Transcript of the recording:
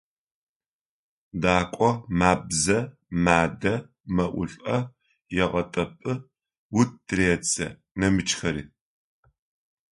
«Дакӏо» – мабзэ, мадэ, мэӏулӏэ, егъэтӏэпӏы, ут тыредзэ, нэмыкӏхэри.